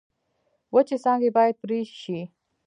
وچې څانګې باید پرې شي.